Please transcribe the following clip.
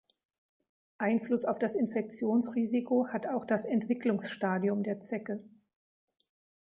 Einfluss auf das Infektionsrisiko hat auch das Entwicklungsstadium der Zecke.